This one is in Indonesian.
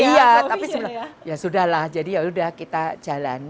iya tapi sebenarnya ya sudah lah jadi ya udah kita jalani